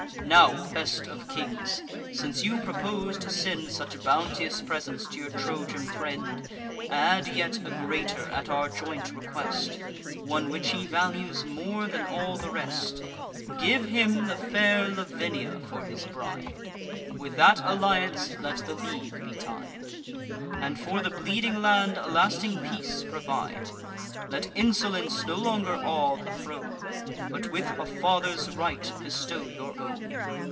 Now, best of kings, since you propose to send Such bounteous presents to your Trojan friend; Add yet a greater at our joint request, One which he values more than all the rest: Give him the fair Lavinia for his bride; With that alliance let the league be tied, And for the bleeding land a lasting peace provide. Let insolence no longer awe the throne; But, with a father's right, bestow your own.